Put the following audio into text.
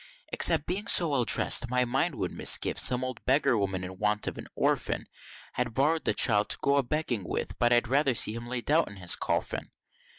Except being so well dress'd, my mind would misgive, some old beggar woman in want of an orphan, Had borrow'd the child to go a begging with, but I'd rather see him laid out in his coffin!